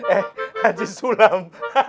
eh haji sulam